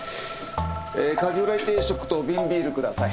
カキフライ定食と瓶ビールください。